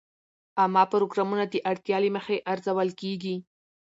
عامه پروګرامونه د اړتیا له مخې ارزول کېږي.